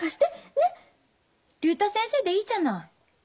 竜太先生でいいじゃない。